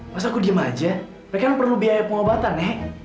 pas aku diem aja mereka perlu biaya pengobatan nek